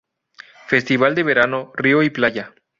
Festival de Verano, Río y Playa.